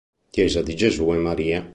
Chiesa di Gesù e Maria